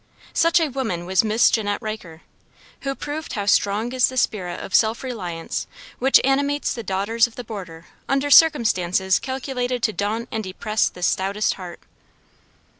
Such a woman was Miss Janette Riker, who proved how strong is the spirit of self reliance which animates the daughters of the border under circumstances calculated to daunt and depress the stoutest heart.